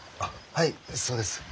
はいそうです。